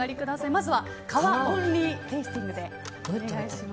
まずは皮オンリーテイスティング。